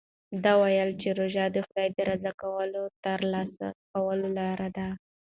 ده وویل چې روژه د خدای د رضا ترلاسه کولو لاره ده.